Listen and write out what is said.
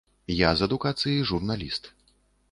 Я з адукацыі журналіст.